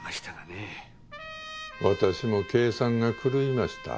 私も計算が狂いました。